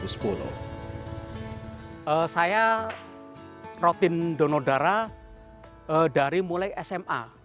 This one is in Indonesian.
saya rutin donor darah dari mulai sma